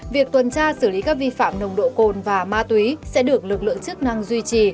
việc tuần tra xử lý các vi phạm nồng độ cồn và ma túy sẽ được lực lượng chức năng duy trì